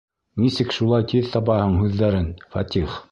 Нисек шулай тиҙ табаһың һүҙҙәрен, Фәтих?